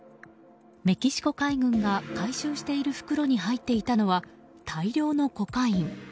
メキシコ海軍が回収している袋に入っていたのは大量のコカイン。